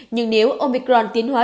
nhưng nếu omicron tiến hóa